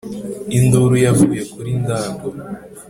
induru yavuye kuri ndago